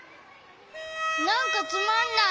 なんかつまんない。